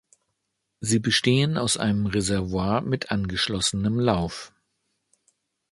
Sie bestehen aus einem Reservoir mit angeschlossenem Lauf.